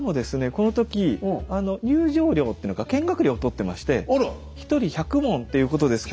この時入場料というのか見学料をとってまして１人１００文っていうことですから。